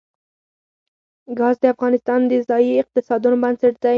ګاز د افغانستان د ځایي اقتصادونو بنسټ دی.